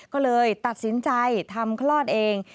ก็เลยตัดสินใจทำคลอดเอง